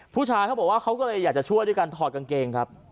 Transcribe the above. เขาบอกว่าเขาก็เลยอยากจะช่วยด้วยการถอดกางเกงครับ